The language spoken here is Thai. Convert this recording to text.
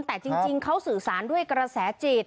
แต่จริงเขาสื่อสารด้วยกระแสจิต